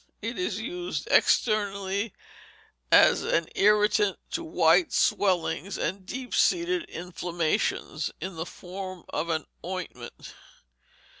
It is used externally as an irritant in white swellings and deep seated inflammations, in the form of an ointment.